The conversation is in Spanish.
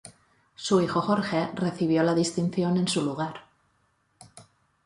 Su hijo Jorge recibió la distinción en su lugar.